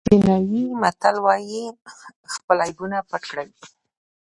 چینایي متل وایي خپل عیبونه پټ کړئ.